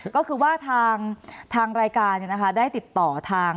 ก็คือว่าทางรายการได้ติดต่อทาง